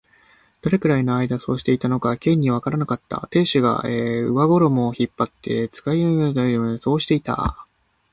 どれくらいのあいだそうしていたのか、Ｋ にはわからなかった。亭主が上衣を引っ張って、彼に使いの者がきた、というまで、そうしていた。